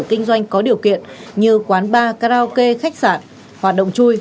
kinh doanh có điều kiện như quán bar karaoke khách sạn hoạt động chui